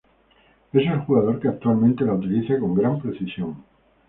Es el jugador que actualmente la utiliza con gran precisión.